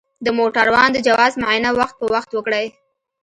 د موټروان د جواز معاینه وخت په وخت وکړئ.